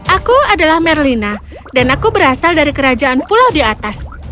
aku adalah merlina dan aku berasal dari kerajaan pulau di atas